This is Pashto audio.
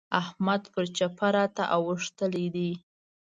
احمد پر چپه راته اوښتلی دی.